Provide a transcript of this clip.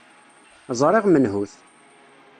Ẓriɣ menhu-t.